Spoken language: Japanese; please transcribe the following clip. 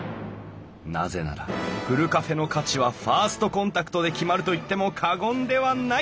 なぜならふるカフェの価値はファーストコンタクトで決まると言っても過言ではない！